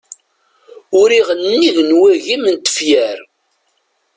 Uriɣ nnig n wagim n tefyar.